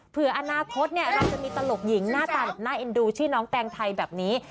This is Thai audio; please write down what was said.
อนาคตเราจะมีตลกหญิงหน้าตาแบบน่าเอ็นดูชื่อน้องแตงไทยแบบนี้